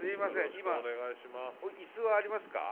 今椅子はありますか？